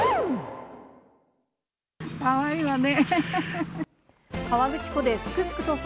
かわいいわね。